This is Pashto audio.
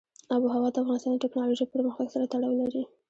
آب وهوا د افغانستان د تکنالوژۍ پرمختګ سره تړاو لري.